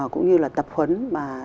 cũng như là tập huấn mà